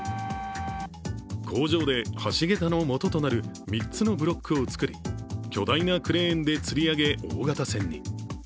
工場で橋桁の元となる３つのブロックを作り巨大なクレーンでつり上げ大型船に。